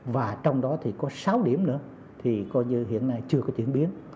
và trong đó có sáu điểm nữa hiện nay chưa có chuyển biến